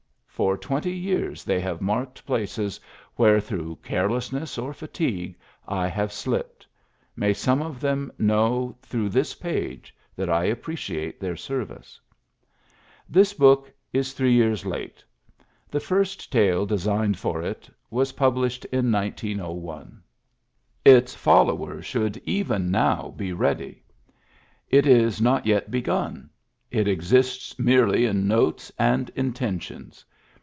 For twenty years they have marked places where through carelessness or fatigue I have slipped ; may some of them know through this page that I appreciate their service. This book is three years late; the first tale designed for it was published in 1901. Its fol lower should even now be ready. It is not yet begun ; it exists merely in notes and inten tions.